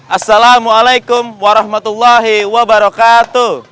assalamualaikum warahmatullahi wabarakatuh